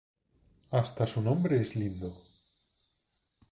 Hasta su nombre es lindo.